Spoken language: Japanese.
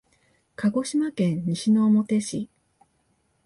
鹿児島県西之表市